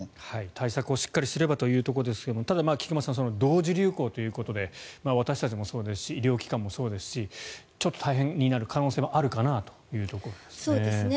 対策をしっかりすればというところですがただ、菊間さん同時流行ということで私たちもそうですし医療機関もそうですしちょっと大変になる可能性はあるかなというところですね。